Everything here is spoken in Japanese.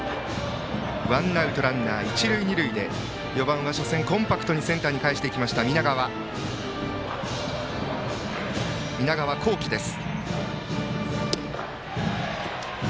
ワンアウトランナー、一塁二塁で４番は、初戦コンパクトにセンターに返していった南川幸輝です。